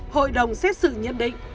hội đồng xét xử nhận định